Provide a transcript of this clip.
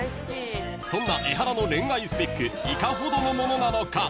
［そんなエハラの恋愛スペックいかほどのものなのか？］